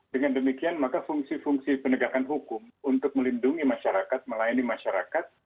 dengan demikian maka fungsi fungsi penegakan hukum untuk melindungi masyarakat melayani masyarakat